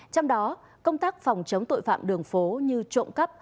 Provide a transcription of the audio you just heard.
trong đó công tác phòng chống tội phạm đường phố như trộm cắp